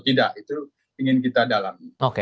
tidak itu ingin kita dalami